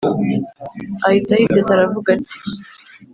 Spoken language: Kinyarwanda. ahita yitsetsa aravuga ati